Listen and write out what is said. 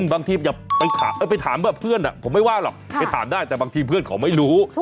บางทีอย่าไปถามแบบเพื่อนผมไม่ว่าหรอกไปถามได้แต่บางทีเพื่อนเขาไม่รู้